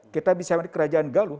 kita bisa di kerajaan galuh